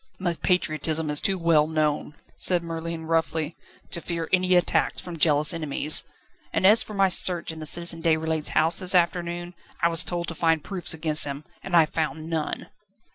"My patriotism is too well known," said Merlin roughly, "to fear any attacks from jealous enemies; and as for my search in the Citizen Deputy's house this afternoon, I was told to find proofs against him, and I found none."